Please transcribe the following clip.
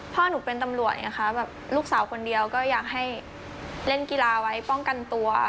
พ่อหนูเป็นตำรวจไงคะแบบลูกสาวคนเดียวก็อยากให้เล่นกีฬาไว้ป้องกันตัว